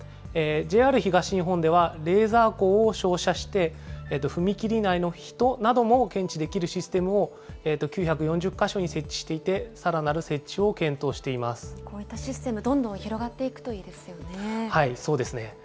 ＪＲ東日本では、レーザー光を照射して、踏切内の人なども検知できるシステムを９４０か所に設置していて、こういったシステム、どんどそうですね。